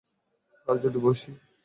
আর যদি বাসি?